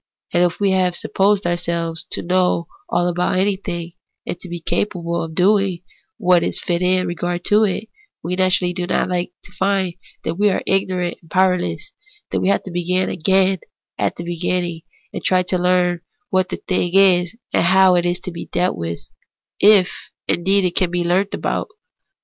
And if we have supposed ourselves to know all about anything, and to be capable of doing what is fit in regard to it, we naturally do not like to find that we are really ignorant and powerless, that we have to begin again at the beginning, and try to learn what the thing is and how it is to be dealt ^Yith — if indeed any thing can be learnt about it.